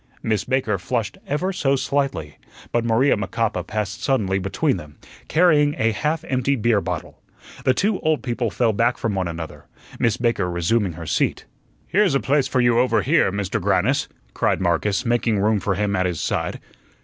Miss Baker flushed ever so slightly, but Maria Macapa passed suddenly between them, carrying a half empty beer bottle. The two old people fell back from one another, Miss Baker resuming her seat. "Here's a place for you over here, Mr. Grannis," cried Marcus, making room for him at his side.